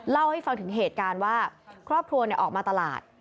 เล่าให้ฟังถึงเหตุการณ์ว่าครอบครัวออกมาตลาด